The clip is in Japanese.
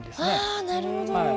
あなるほど。